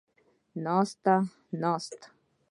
ناسته ، ناستې